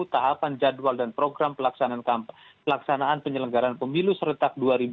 tahapan jadwal dan program pelaksanaan penyelenggaran pemilu serentak dua ribu dua puluh